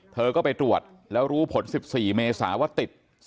เธอก็ไปตรวจแล้วรู้ผล๑๔เมษาว่าติด